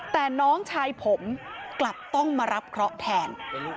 แต่น้องชายผมกลับต้องมารับเคราะห์แทน